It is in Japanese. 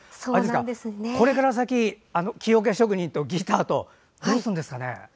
これから先、木おけ職人とギターどうするんですかね。